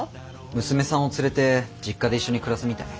娘さんを連れて実家で一緒に暮らすみたい。